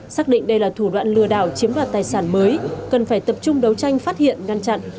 xác định đây là thủ đoạn lừa đảo chiếm đoạt tài sản mới cần phải tập trung đấu tranh phát hiện ngăn chặn